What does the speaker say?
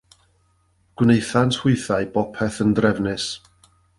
Gwnaethant hwythau bopeth yn drefnus.